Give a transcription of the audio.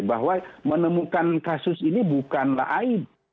bahwa menemukan kasus ini bukanlah aib